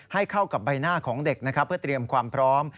ให้เข้ากับใบหน้าของเด็กนะครับเพื่อเตรียมความพร้อม